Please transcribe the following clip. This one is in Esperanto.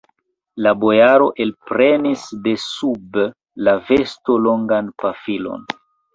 La bojaro elprenis de sub la vesto longan pafilon.